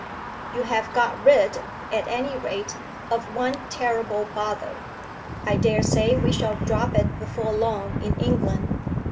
"You have got rid, at any rate, of one terrible bother. I daresay we shall drop it before long in England.